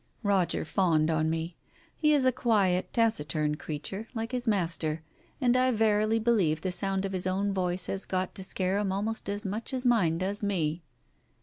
Roger fawned on me. He is a quiet, taciturn creature, like his master, and I verily believe the sound of his own voice has got to scare him almost as much as mine does me.